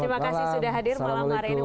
terima kasih sudah hadir malam hari ini